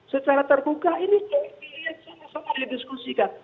secara terbuka ini dilihat sama sama didiskusikan